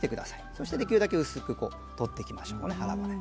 そしてできるだけ薄く取っていきましょうね。